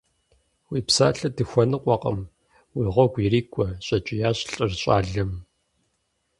Уи псалъэ дыхуэныкъуэкъым, уи гъуэгу ирикӀуэ! – щӀэкӀиящ лӀыр щӀалэм.